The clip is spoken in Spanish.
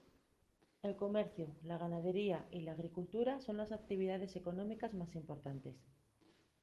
El comercio, la ganadería y la agricultura son las actividades económicas más importantes.